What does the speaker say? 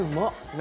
何？